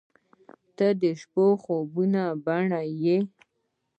• ته د شپو خوبونو بڼه یې.